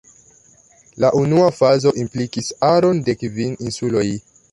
La unua fazo implikis aron de kvin insuloj.